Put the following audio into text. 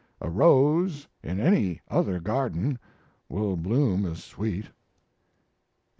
A rose in any other garden will bloom as sweet." CCXXIII.